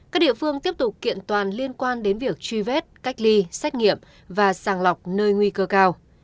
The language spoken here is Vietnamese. các địa phương tiếp tục kiện toàn liên quan đến việc truy vết cách ly xét nghiệm và sàng lọc nơi nguy cơ cao